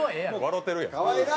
笑うてるやん。